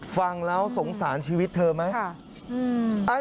ฟังแล้วสงสารชีวิตเธอไหม